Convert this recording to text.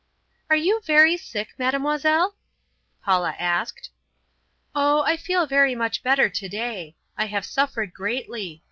"Are you very sick, Mademoiselle?" Paula asked. "Oh, I feel very much better today. I have suffered greatly.